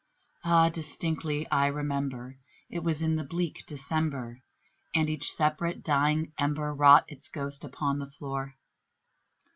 Ah, distinctly I remember, it was in the bleak December, And each separate dying ember wrought its ghost upon the floor.